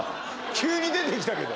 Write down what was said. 急に出て来たけど。